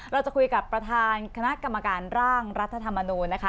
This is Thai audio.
เราจะคุยกับประธานคณะกรรมการร่างรัฐธรรมนูญนะคะ